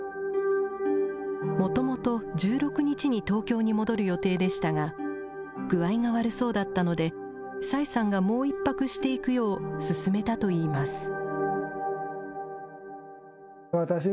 もともと１６日に東京に戻る予定でしたが、具合が悪そうだったので、崔さんがもう１泊していくよう勧めたといいます。